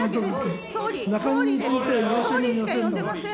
総理しか呼んでいません。